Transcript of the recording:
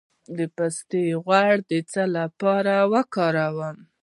د پسته غوړي د څه لپاره وکاروم؟